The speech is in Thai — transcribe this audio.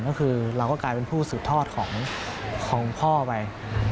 ก็คือเราก็กลายเป็นผู้สืบทอดของพ่อไป